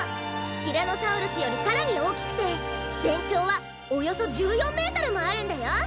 ティラノサウルスよりさらにおおきくてぜんちょうはおよそ１４メートルもあるんだよ！